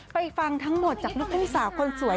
ฟังทั้งหมดจากลูกทุ่งสาวคนสวย